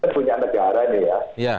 punya negara ini ya